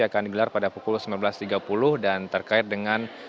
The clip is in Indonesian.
akan digelar pada pukul sembilan belas tiga puluh dan terkait dengan